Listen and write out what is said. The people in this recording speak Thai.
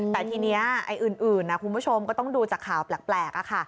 แต่ทีนี้อื่นนะคุณผู้ชมก็ต้องดูจากข่าวแปลกอ่ะค่ะ